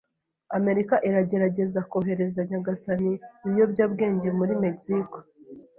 Amerika iragerageza kohereza nyagasani ibiyobyabwenge muri Mexico.